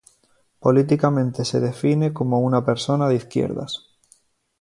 Políticamente se define como una persona de izquierdas.